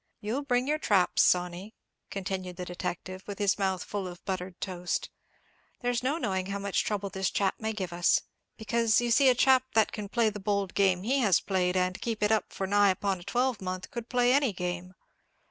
"You'll bring your traps, Sawney," continued the detective, with his mouth full of buttered toast; "there's no knowing how much trouble this chap may give us; because you see a chap that can play the bold game he has played, and keep it up for nigh upon a twelvemonth, could play any game.